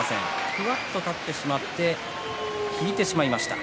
ふわっと立ってしまって引いてしまいました。